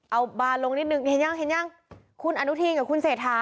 เอาบาร์ลงนิดนึงคุณอนุทีล์กับคุณเสร็จหา